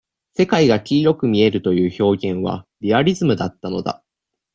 世界が黄色く見えるという表現は、リアリズムだったのだ。